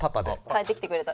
変えてきてくれた。